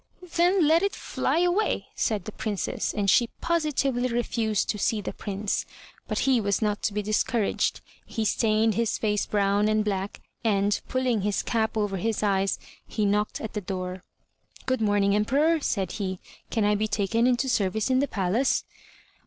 "Then let it fly away," said the Princess, and she positively refused to see the Prince. But he was not to be discouraged; he stained his face brown and black, and, pulling his cap over his eyes, he knocked at the door. "Good morning, Emperor," said he, "can I be taken into service in the palace?"